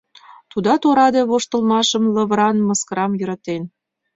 Тудат ораде воштылмашым, лавыран мыскарам йӧратен.